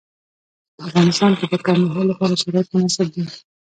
په افغانستان کې د کندهار لپاره شرایط مناسب دي.